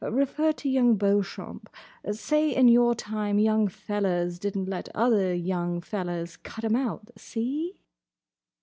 Refer to young Beauchamp. Say in your time young fellers did n't let other young fellers cut 'em out. See?"